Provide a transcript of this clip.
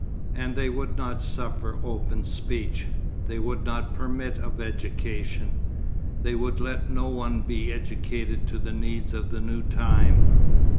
And they would not suffer open speech, they would not permit of education, they would let no one be educated to the needs of the new time....